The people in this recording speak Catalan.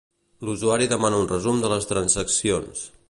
L'usuari demana un resum de les transaccions.